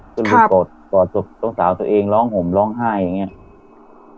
ก็ลุกกดปลอดศพน้องสาวตัวเองร้องห่มร้องไห้อย่างเงี้ย